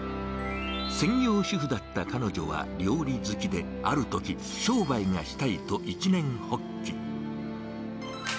専業主婦だった彼女は料理好きで、あるとき、商売がしたいと一念発起。